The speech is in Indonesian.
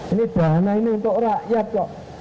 ini dana ini untuk rakyat kok